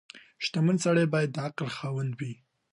• شتمن سړی باید د عقل خاوند وي.